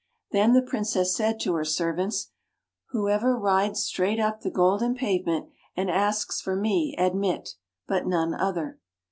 Then the Princess said to her servants, " Whoever rides straight up the golden pavement and asks for me, admit. But none other.